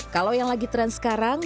kalau yang lagi tren sekarang